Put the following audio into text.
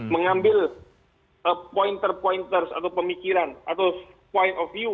mengambil pointer pointers atau pemikiran atau point of view